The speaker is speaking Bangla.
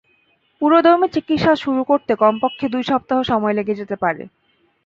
পুরোদমে চিকিৎসা শুরু করতে কমপক্ষে দুই সপ্তাহ সময় লেগে যেতে পারে।